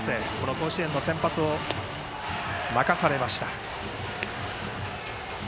甲子園の先発を任されました。